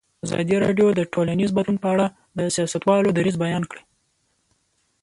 ازادي راډیو د ټولنیز بدلون په اړه د سیاستوالو دریځ بیان کړی.